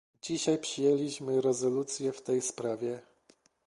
Dzisiaj przyjęliśmy rezolucję w tej sprawie